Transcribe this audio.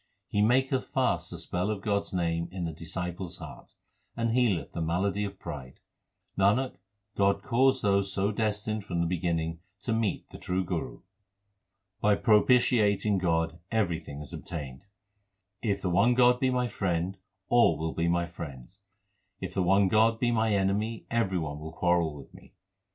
He maketh fast the spell of God s name in the disciples heart, and healeth the malady of pride. Nanak, God caused those so destined from the beginning to meet the true Guru. By propitiating God everything is obtained : If the one God be my friend, all will be my friends ; if the one God be my enemy every one will quarrel with me.